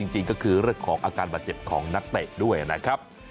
จริงก็คือเรื่องของอาการบาดเจ็บของนักเตะด้วยนะครับ